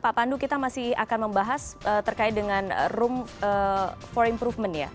pak pandu kita masih akan membahas terkait dengan room for improvement ya